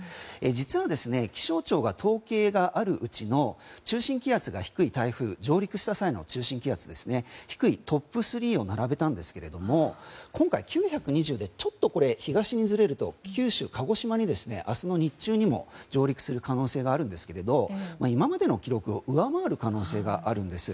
実は気象庁が統計があるうちの中心気圧が低い台風上陸した際の中心気圧が低いトップ３を並べたんですが今回、９２０でちょっと東にずれると九州、鹿児島に明日の日中にも上陸する可能性がありますが今までの記録を上回る可能性があるんです。